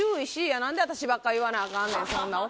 何で私ばっか言わなあかんねん。